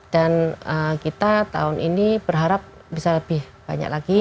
kita tahun ini berharap bisa lebih banyak lagi